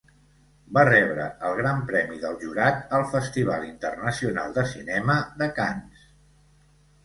Va rebre el gran premi del jurat al Festival Internacional de Cinema de Canes.